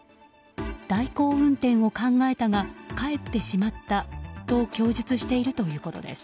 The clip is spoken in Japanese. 代行運転を考えたが帰ってしまったと供述しているということです。